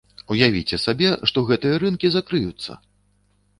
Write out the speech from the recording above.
Уявіце сабе, што гэтыя рынкі закрыюцца!